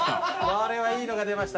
これはいいのが出ました。